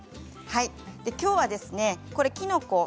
きょうはきのこ。